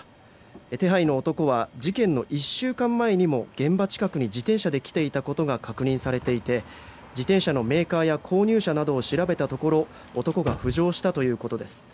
手配の男は事件の１週間前にも現場近くに自転車で来ていたことが確認されていて自転車のメーカーや購入者などを調べたところ男が浮上したということです。